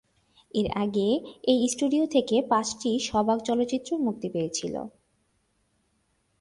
এর আগে এই স্টুডিও থেকে পাঁচটি সবাক চলচ্চিত্র মুক্তি পেয়েছিল।